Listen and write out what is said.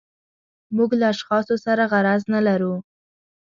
موږ له اشخاصو سره غرض نه لرو.